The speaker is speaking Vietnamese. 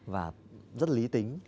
và rất là lý tính